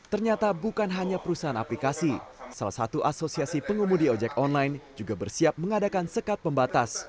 ternyata bukan hanya perusahaan aplikasi salah satu asosiasi pengemudi ojek online juga bersiap mengadakan sekat pembatas